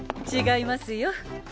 違いますよ。